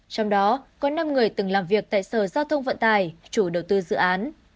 trong đó có năm người từng làm việc tại sở giao thông vận tài chủ đầu tư dự án